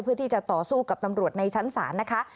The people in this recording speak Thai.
เพื่อที่จะต่อสู้กับตำรวจในชั้นศาลนะคะ